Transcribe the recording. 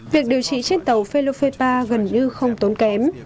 việc điều trị trên tàu felofepa gần như không tốn kém